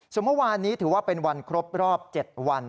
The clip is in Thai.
ส่วนเมื่อวานนี้ถือว่าเป็นวันครบรอบ๗วัน